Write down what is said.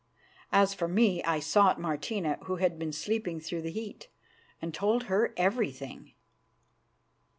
As for me, I sought Martina, who had been sleeping through the heat, and told her everything.